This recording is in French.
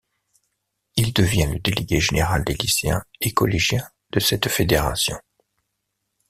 Il devient le délégué général des lycéens et collégiens de cette fédération.